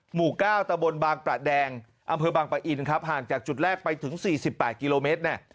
หมู่๙ตะบนบางประแดงอำเภอบางปะอินครับห่างจากจุดแรกไปถึง๔๘กิโลเมตรเนี่ย